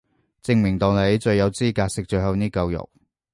證明到你最有資格食到最後呢嚿肉